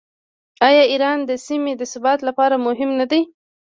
آیا ایران د سیمې د ثبات لپاره مهم نه دی؟